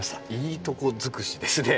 いいとこ尽くしですね。